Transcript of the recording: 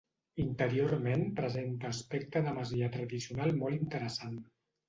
Interiorment presenta aspecte de masia tradicional molt interessant.